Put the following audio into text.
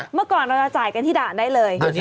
เมื่อก่อนเราจะจ่ายกันที่ด่านได้เลย